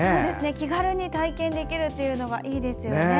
気軽に体験できるのがいいですよね。